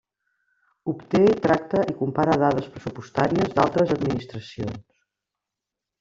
Obté, tracta i compara dades pressupostàries d'altres administracions.